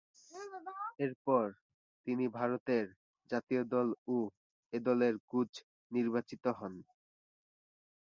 এরপর তিনি ভারতের জাতীয় দল ও এ-দলের কোচ নির্বাচিত হন।